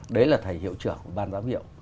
đấy là thầy hiệu trưởng